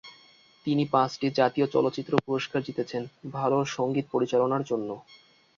তিনি পাঁচটি জাতীয় চলচ্চিত্র পুরস্কার জিতেছেন ভালো সঙ্গীত পরিচালনার জন্য।